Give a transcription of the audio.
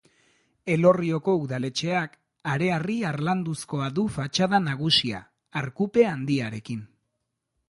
Elorrioko udaletxeak harearri-harlanduzkoa du fatxada nagusia, arkupe handiarekin.